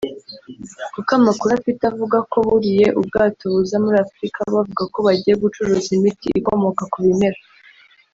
kuko amakuru afite avuga ko buriye ubwato buza muri Afurika bavuga ko bagiye gucuruza imiti ikomoka ku bimera